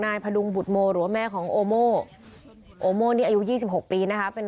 นายพระดุงบุฏโมหรือแม่ของโอโมโอโมนี้อายุ๒๖ปีนะคะเป็น